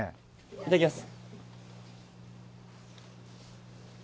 いただきます。